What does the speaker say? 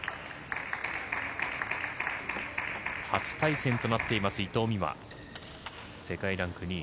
初対戦となっている伊藤美誠、世界ランク２位。